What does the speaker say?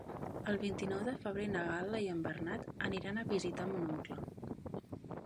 El vint-i-nou de febrer na Gal·la i en Bernat aniran a visitar mon oncle.